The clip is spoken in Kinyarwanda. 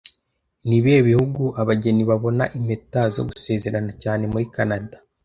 Nibihe bihugu abageni babona impeta zo gusezerana cyane muri Canada